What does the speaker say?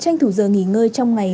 tranh thủ giờ nghỉ ngơi trong ngày